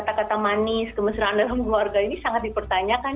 kata kata manis kemesraan dalam keluarga ini sangat dipertanyakan